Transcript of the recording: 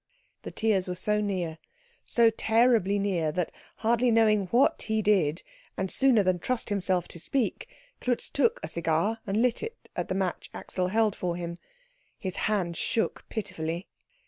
The tears were so near, so terribly near, that, hardly knowing what he did, and sooner than trust himself to speak, Klutz took a cigar and lit it at the match Axel held for him. His hand shook pitifully.